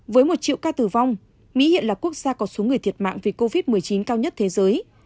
với một triệu ca tử vong mỹ hiện là quốc gia có số người thiệt mạng vì covid một mươi chín cao nhất thế giới